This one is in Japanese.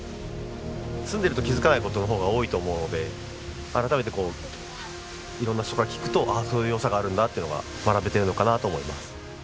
住んでると気づかない事の方が多いと思うので改めてこう色んな人から聞くとそういう良さがあるんだっていうのが学べてるのかなと思います。